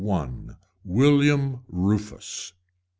] WILLIAM RUFUS.